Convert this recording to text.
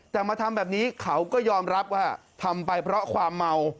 แต่มาทำแบบนี้เขาก็ยอมรับว่าทำไปเพราะความเมา